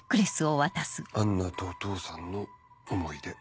アンナとお父さんの思い出。